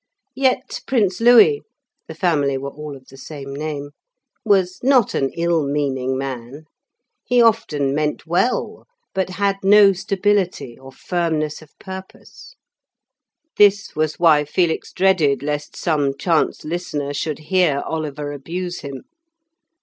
Yet Prince Louis (the family were all of the same name) was not an ill meaning man; he often meant well, but had no stability or firmness of purpose. This was why Felix dreaded lest some chance listener should hear Oliver abuse him.